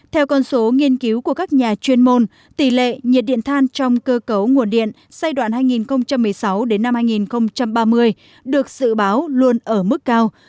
theo con số nghiên cứu của các nhà chuyên môn tỷ lệ nhiệt điện than trong cơ cấu nguồn điện giai đoạn hai nghìn một mươi sáu hai nghìn ba mươi được dự báo luôn ở mức cao